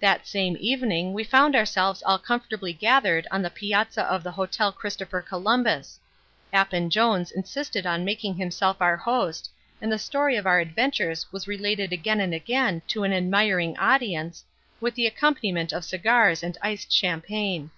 That same evening we found ourselves all comfortably gathered on the piazza of the Hotel Christopher Columbus. Appin Jones insisted on making himself our host, and the story of our adventures was related again and again to an admiring audience, with the accompaniment of cigars and iced champagne.